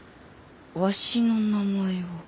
わしの名前を。